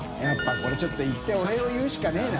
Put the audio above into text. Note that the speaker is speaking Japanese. これちょっと行ってお礼を言うしかねぇな。